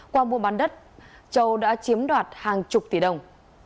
qua mua bán đất châu đã chiếm đoạt hàng chục tỷ đồng